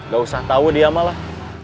gak usah tahu diam lah